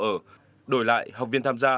bao ở đổi lại học viên tham gia